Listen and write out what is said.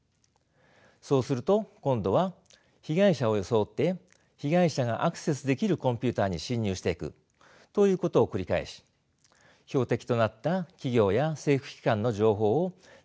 そうすると今度は被害者を装って被害者がアクセスできるコンピューターに侵入していくということを繰り返し標的となった企業や政府機関の情報を根こそぎ盗むのです。